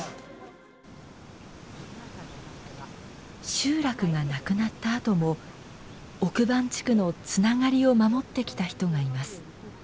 集落がなくなったあとも奥番地区のつながりを守ってきた人がいます。